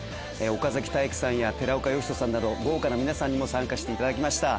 岡崎体育さんや寺岡呼人さんなど豪華な皆さんにも参加していただきました。